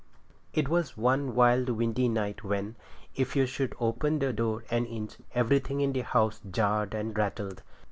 It was one wild windy night, when, if you should open the door an inch, everything in the house jarred and rattled.